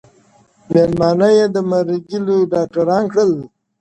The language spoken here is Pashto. مېلمانه یې د مرګي لوی ډاکټران کړل!.